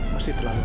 masih terlalu lemah